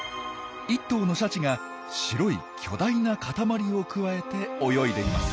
１頭のシャチが白い巨大な塊をくわえて泳いでいます。